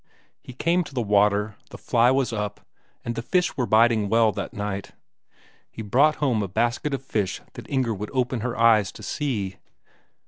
He came to the water; the fly was up, and the fish were biting well that night. He brought home a basket of fish that Inger would open her eyes to see!